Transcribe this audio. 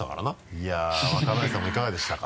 いやぁ若林さんもいかがでしたか？